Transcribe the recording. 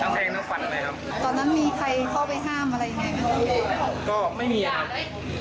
ทั้งแทงทั้งฝันอะไรครับตอนนั้นมีใครเข้าไปท่ามอะไรยังไงครับก็ไม่มีครับ